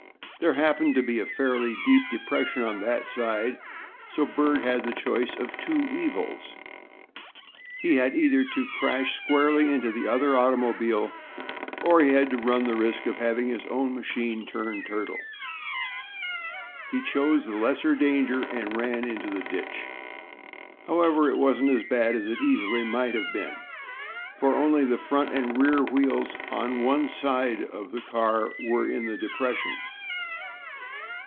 There happened to be a fairly deep depression on that side, so Bert had the choice of two evils. He had either to crash squarely into the other automobile or he had to run the risk of having his own machine turn turtle. He chose the lesser danger and ran into the ditch. However, it wasn't as bad as it easily might have been, for only the front and rear wheels of one side of the car were in the depression.